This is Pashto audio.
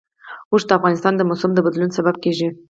اوښ د افغانستان د موسم د بدلون سبب کېږي.